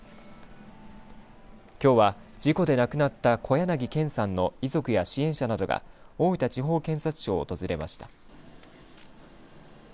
きょうは、事故で亡くなった小柳憲さんの遺族や支援者などが大分地方検察庁を訪れました。